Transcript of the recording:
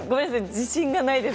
自信がないです